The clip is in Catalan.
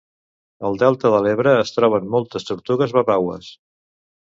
Al delta de l'Ebre es troben moltes tortugues babaues.